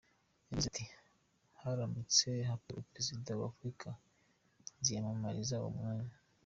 Yagize ati, “Haramutse hatowe Perezida wa Afurika, nziyamamariza uwo mwanya.